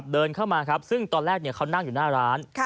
เดินเข้ามาครับซึ่งตอนแรกเขานั่งอยู่หน้าร้าน